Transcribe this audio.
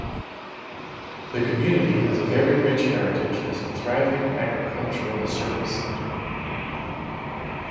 The community has a very rich heritage as a thriving agricultural service centre.